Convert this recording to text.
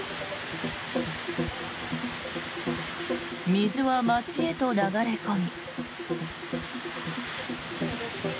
水は街へと流れ込み。